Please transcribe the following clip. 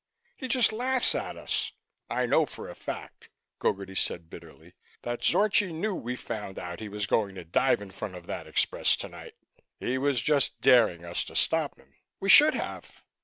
"He just laughs at us. I know for a fact," Gogarty said bitterly, "that Zorchi knew we found out he was going to dive in front of that express tonight. He was just daring us to stop him. We should have!